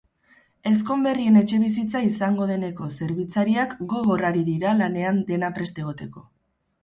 Ezkonberrien etxebizitza izango deneko zerbitzariak gogor ari dira lanean dena prest egoteko.